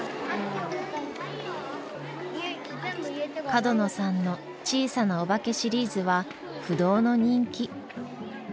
角野さんの「小さなおばけ」シリーズは不動の人気。